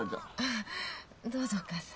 あどうぞお義母さん。